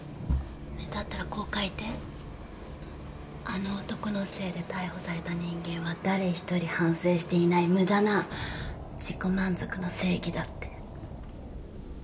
「あの男のせいで逮捕された人間は誰一人反省していない無駄な自己満足の正義だ」って。